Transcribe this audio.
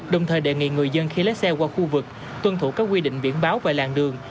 đồng thời đề nghị người dân khi lấy xe qua khu vực tuân thủ các quy định biển báo và làng đường